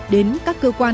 đến các cơ quan